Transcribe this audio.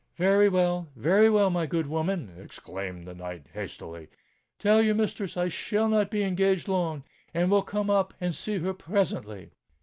"Very well—very well, my good woman!" exclaimed the knight hastily. "Tell your mistress I shall not be engaged long, and will come up and see her presently."